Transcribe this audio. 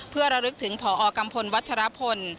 เพื่อระลึกถึงพอกัมพลวัชรพล